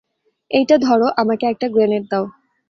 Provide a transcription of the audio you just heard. এইটা ধরো, আমাকে একটা গ্রেনেড দাও।